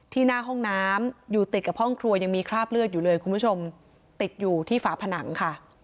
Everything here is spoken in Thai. หน้าห้องน้ำอยู่ติดกับห้องครัวยังมีคราบเลือดอยู่เลยคุณผู้ชมติดอยู่ที่ฝาผนังค่ะ